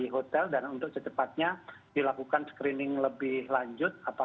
hotel dan untuk secepatnya dilakukan screening lebih lanjut